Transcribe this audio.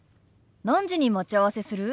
何時に待ち合わせする？